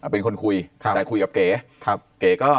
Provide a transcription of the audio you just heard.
เป็นคนคุยแต่คุยกับเก๋ก็